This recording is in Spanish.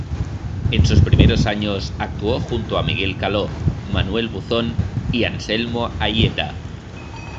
En sus primeros años actuó junto a Miguel Caló, Manuel Buzón y Anselmo Aieta.